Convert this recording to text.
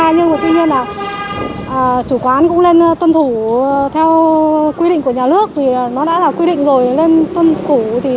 nhưng tuy nhiên là chủ quán cũng nên tuân thủ theo quy định của nhà nước thì nó đã là quy định rồi nên tuân thủ